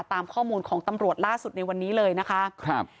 ตามข้อมูลของตำรวจล่าสุดในวันนี้เลยนะคะครับ